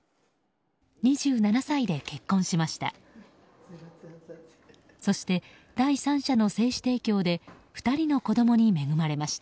２７歳で結婚しました。